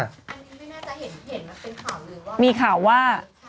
อันนี้ไม่น่าจะเห็นมันเป็นข่าวเลยว่า